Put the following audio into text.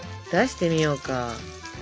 出してみようか。